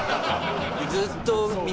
ずっと。